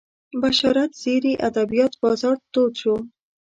بشارت زیري ادبیات بازار تود شو